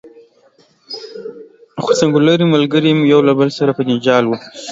خو څنګلوري ملګري مو یو له بل سره په جنجال وو.